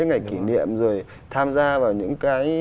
ngày kỷ niệm rồi tham gia vào những cái